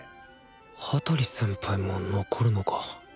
羽鳥先輩も残るのか。